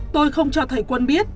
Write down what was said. tôi không cho thầy quân biết